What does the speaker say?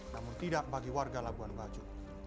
namun tidak bagi warga labuan bajo